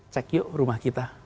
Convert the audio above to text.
cek yuk rumah kita